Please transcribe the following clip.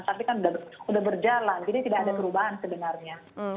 tapi kan sudah berjalan jadi tidak ada perubahan sebenarnya